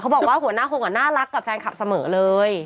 บอกว่าหัวหน้าคงน่ารักกับแฟนคลับเสมอเลย